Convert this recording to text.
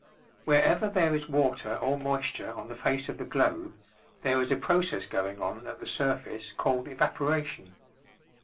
Wherever there is water or moisture on the face of the globe there is a process going on at the surface called evaporation.